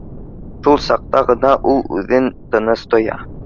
Шул саҡта ғына ул үҙен тыныс тоя